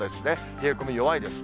冷え込み弱いです。